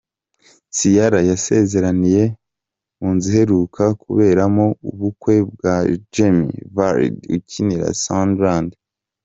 Ciara yasezeraniye mu nzu iheruka kuberamo ubukwe bwa Jamie Vardy ukinira Sunderland.